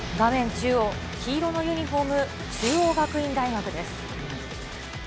中央、黄色のユニホーム、中央学院大学です。